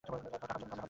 তাও টাকার জন্য।